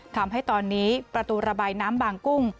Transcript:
ทำให้ตอนนี้ประตูระบายน้ำบางกุ้ง